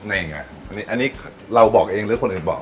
อันนี้เราบอกเองหรือคนอื่นบอก